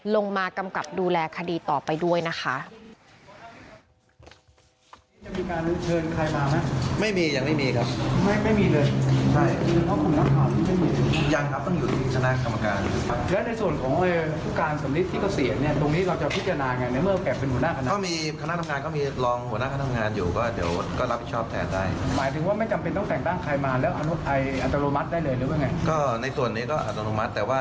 มากำกับดูแลคดีต่อไปด้วยนะคะ